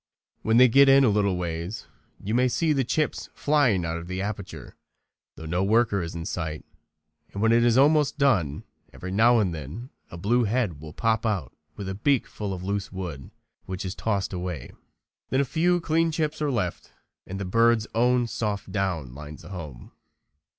When they get in a little ways you may see the chips flying out of the aperture, though no worker is in sight, and when it is almost done every now and then a blue head will pop out with a beak full of loose wood, which is tossed away. Then a few clean chips are left and the bird's own soft down lines the home.